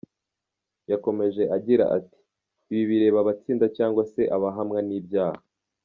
Yakomeje agira ati : “Ibi bireba abatsinda cyangwa se abahamwa n’ibyaha”.